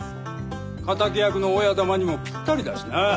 敵役の親玉にもぴったりだしな。